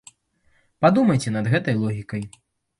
Падумайце над гэтай логікай.